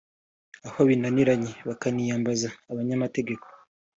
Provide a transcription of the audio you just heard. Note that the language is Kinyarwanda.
aho binaniranye bakaniyambaza abanyamategeko